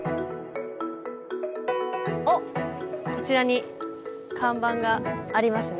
あっこちらに看板がありますね。